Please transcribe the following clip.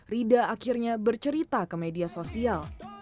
rida akhirnya bercerita ke media sosial